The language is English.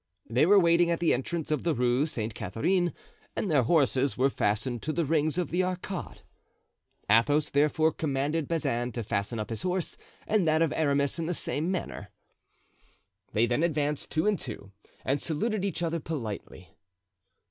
They were waiting at the entrance of the Rue Sainte Catharine, and their horses were fastened to the rings of the arcade. Athos, therefore, commanded Bazin to fasten up his horse and that of Aramis in the same manner. They then advanced two and two, and saluted each other politely.